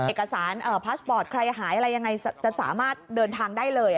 เอกสารพาสปอร์ตใครหายอะไรยังไงจะสามารถเดินทางได้เลย